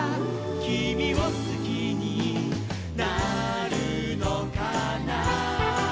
「きみをすきになるのかな」